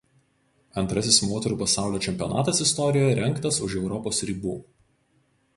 Antrasis moterų pasaulio čempionatas istorijoje rengtas už Europos ribų.